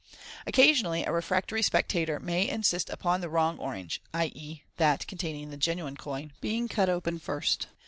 Occasionally a refractory spectator may insist upon the wrong or* nge (i.e., that containing the genuine coin) being cut open first.